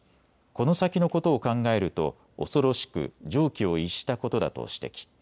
この先のことを考えると恐ろしく常軌を逸したことだと指摘。